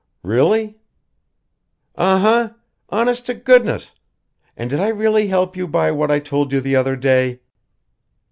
"Really?" "Uh huh! Honest to goodness. And did I really help you by what I told you the other day?"